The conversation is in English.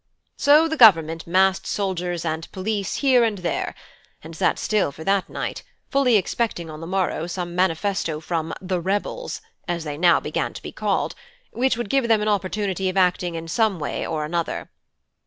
So the Government massed soldiers and police here and there and sat still for that night, fully expecting on the morrow some manifesto from 'the rebels,' as they now began to be called, which would give them an opportunity of acting in some way or another.